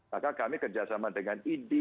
maka kami kerjasama dengan indi